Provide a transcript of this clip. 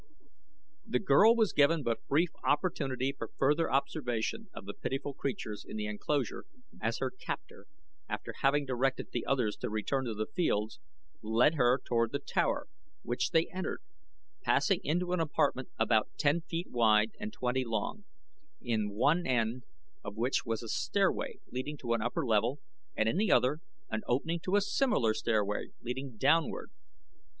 The girl was given but brief opportunity for further observation of the pitiful creatures in the enclosure as her captor, after having directed the others to return to the fields, led her toward the tower, which they entered, passing into an apartment about ten feet wide and twenty long, in one end of which was a stairway leading to an upper level and in the other an opening to a similar stairway leading downward.